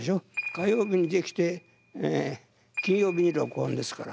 火曜日にできて金曜日に録音ですから。